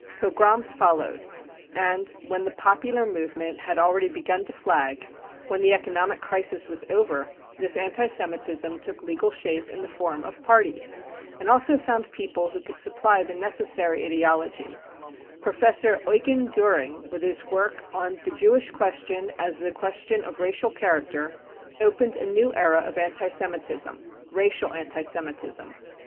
Pogroms followed. And when the ec popular movement 55 had ali^ady begun to flag— when the eco nomic crisis was over— this anti Semitism took legal shape in the form of Parties, and also found people who could supply the necessary ideology : Professor Eugen Duhring with his work on The Jewish Question as a Qiiestion of Racial Character opened a new era of anti Semitism, racial anti Semitism.